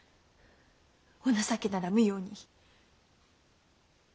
お情けなら無用に。